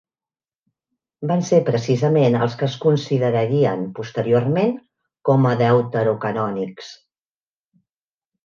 Van ser precisament els que es considerarien, posteriorment, com a deuterocanònics.